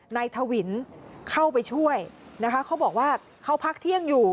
ทวินเข้าไปช่วยนะคะเขาบอกว่าเขาพักเที่ยงอยู่